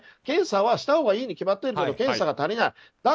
検査はしたほうがいいに決まってるけど検査が足りない。